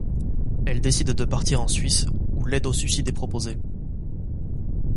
Elle décide de partir en Suisse où l'aide au suicide est proposée.